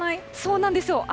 そうなんですよ。